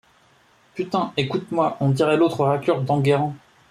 Putain, écoute-moi : on dirait l’autre raclure d’Enguerrand.